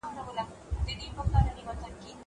دا اوبه له هغه روښانه دي!